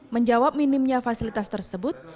menjawab minimnya fasilitas tersebut